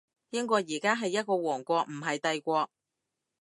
英國而家係一個王國，唔係帝國